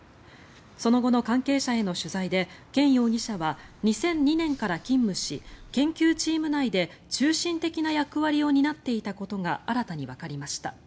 その後の関係者への取材でケン容疑者は２００２年から勤務し研究チーム内で中心的な役割を担っていたことが新たにわかりました。